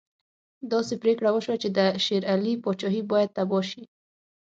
داسې پرېکړه وشوه چې د شېر علي پاچهي باید تباه شي.